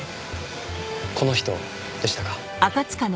この人でしたか？